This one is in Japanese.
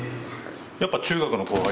やっぱ中学の後輩。